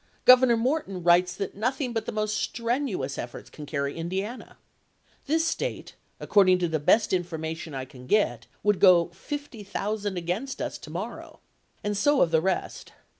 Governor Morton writes that nothing but the most strenuous efforts can carry Indiana. This State, according to the best information I can get, would go 50,000 against us to morrow. And so of the rest.